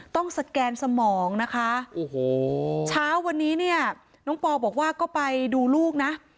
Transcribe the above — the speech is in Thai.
สแกนสมองนะคะโอ้โหเช้าวันนี้เนี่ยน้องปอลบอกว่าก็ไปดูลูกนะ